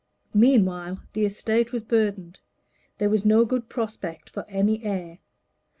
Meanwhile the estate was burdened: there was no good prospect for any heir.